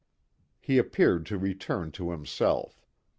He appeared to return to himself.